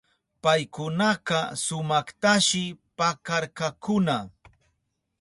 Paykunaka sumaktashi pakarkakuna.